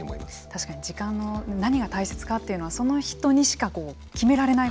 確かに時間の何が大切かっていうのはその人にしか決められないこと。